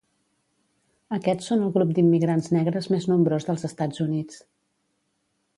Aquests són el grup d'immigrants negres més nombrós dels Estats Units.